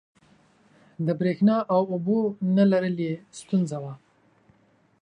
د برېښنا او اوبو نه لرل یې ستونزه وه.